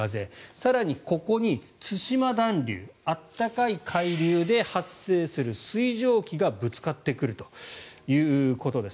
更にここに対馬暖流暖かい海流で発生する水蒸気がぶつかってくるということです。